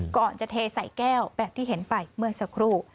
ก่อนจะเทใส่แก้วแบบที่เห็นไปเมื่อสักครู่